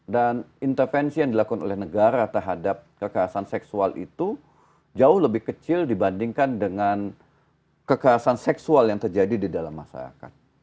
dan intervensi yang dilakukan oleh negara terhadap kekerasan seksual itu jauh lebih kecil dibandingkan dengan kekerasan seksual yang terjadi di dalam masyarakat